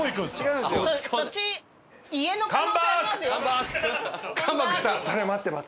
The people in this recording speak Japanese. そっち家の可能性ありますよ。